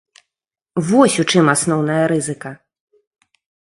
Вось у чым асноўная рызыка.